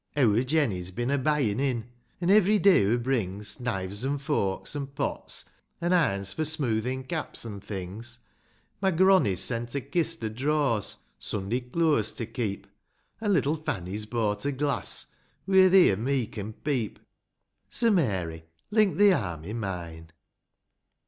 IV. Eawr Jenny's bin a buyin' in, An' every day hoo brings Knives an' forks, an' pots ; an' irons For smoothin' caps an' things ; My gronny's sent a kist= o' drawers, Sunday clooas to keep , An' little Fanny's bought a glass Where thee an' me can peep. So, Mary, link thi arm i' mine.